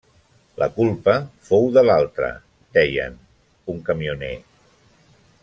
La culpa fou de l’altre, deien, un camioner.